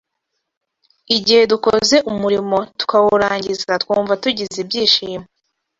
igihe dukoze umurimo tukawurangiza twumva tugize ibyishimo